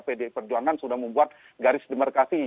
pdi perjuangan sudah membuat garis demarkasi